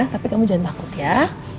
tapi kamu jangan takut ya